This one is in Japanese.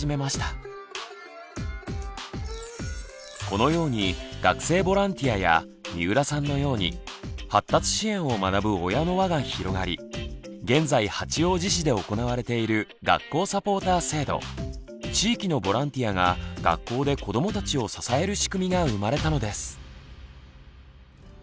同時にこのように学生ボランティアや三浦さんのように発達支援を学ぶ親の輪が広がり現在八王子市で行われている「学校サポーター制度」地域のボランティアが学校で子どもたちを支える仕組みが生まれたのです。